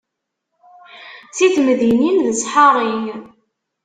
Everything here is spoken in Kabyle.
Si temdinin d ssḥari.